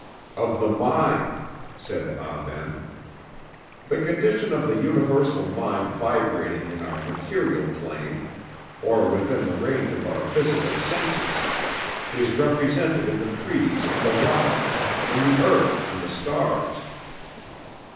"Of the mind," said Ah Ben. "The condition of the universal mind vibrating in our material plane, or within the range of our physical senses, is represented in the trees and the rocks, in the earth and the stars.